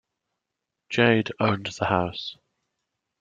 Jade owned the house.